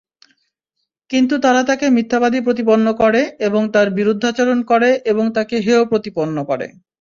কিন্তু তারা তাকে মিথ্যাবাদী প্রতিপন্ন করে এবং তার বিরুদ্ধাচারণ করে এবং তাকে হেয়প্রতিপন্ন করে।